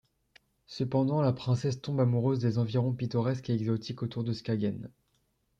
Cependant la princesse tombe amoureuse des environs pittoresques et exotiques autour de Skagen.